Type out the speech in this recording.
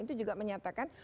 itu juga menyatakan